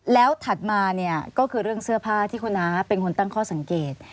แล้วถัดมาเนี่ยก็คือเรื่องเสื้อผ้าที่คุณน้าเป็นคนตั้งข้อสังเกต